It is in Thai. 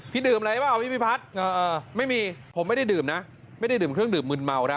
ดื่มอะไรเปล่าพี่พี่พัฒน์ไม่มีผมไม่ได้ดื่มนะไม่ได้ดื่มเครื่องดื่มมืนเมาครับ